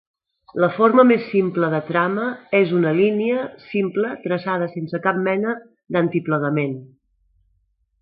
La forma més simple de trama és una línia simple traçada sense cap mena d'antiplegament.